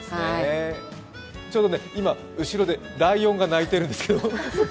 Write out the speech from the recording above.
ちょうど今後ろでライオンが鳴いているんですけれども。